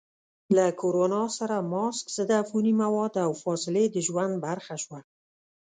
له کرونا سره ماسک، ضد عفوني مواد، او فاصلې د ژوند برخه شوه.